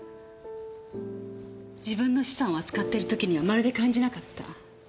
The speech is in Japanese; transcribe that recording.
自分の資産を扱っている時にはまるで感じなかった。